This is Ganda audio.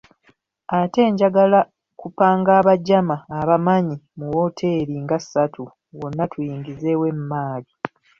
Ate njagala kupanga abajama abamanyi mu wooteeri nga ssatu wonna tuyingizeewo emmaali.